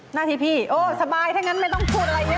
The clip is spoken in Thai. หน้าที่พี่โอ๊ยสบายถ้างั้นไม่ต้องพูดอะไรเยอะ